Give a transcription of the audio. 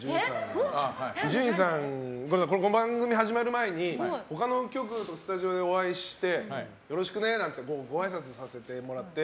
伊集院さんとこの番組が始まる前に他の局のスタジオでお会いしてよろしくね、なんてごあいさつさせてもらって。